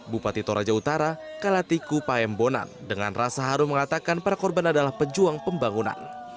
bupati toraja utara kalatiku paembonan dengan rasa harum mengatakan para korban adalah pejuang pembangunan